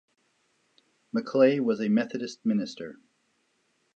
Maclay was a Methodist minister.